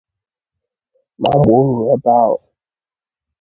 ma mgbe o ruru ebe ahụ